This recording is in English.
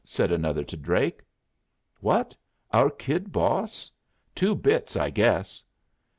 said another to Drake. "What, our kid boss? Two bits, I guess."